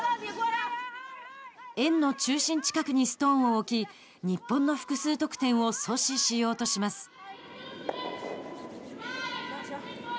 円の中心近くにストーンを置き日本の複数得点を阻止しようとします。